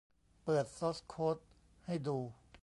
เปิดซอร์สโค้ดให้ดู